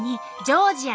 ジョージア？